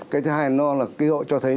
cái thứ hai nó là cái hội cho thấy